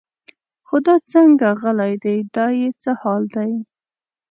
خو دا څنګه غلی دی دا یې څه حال دی.